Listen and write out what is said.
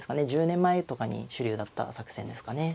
１０年前とかに主流だった作戦ですかね。